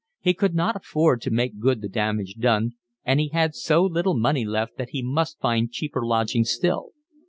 He could not afford to make good the damage done, and he had so little money left that he must find cheaper lodgings still.